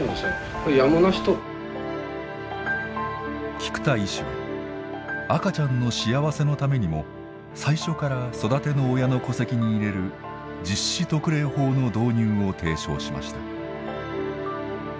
菊田医師は赤ちゃんの幸せのためにも最初から育ての親の戸籍に入れる「実子特例法」の導入を提唱しました。